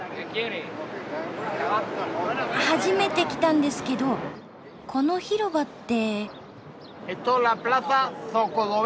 初めて来たんですけどこの広場って。